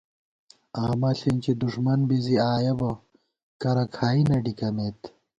آمہ ݪېنچی دُݭمن بی زی آیہ بہ کرہ کھائی نہ ڈِکَمېت